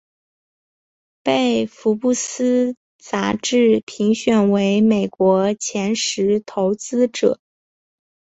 被福布斯杂志评选为美国前十投资者。